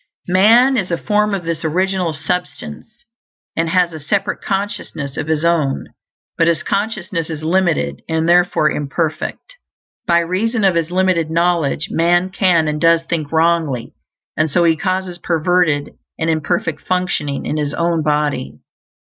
Man is a form of this original substance, and has a separate consciousness of his own; but his consciousness is limited, and therefore imperfect. By reason of his limited knowledge man can and does think wrongly, and so he causes perverted and imperfect functioning in his own body.